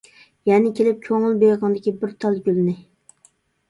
يەنە كېلىپ كۆڭۈل بېغىڭدىكى بىر تال گۈلنى!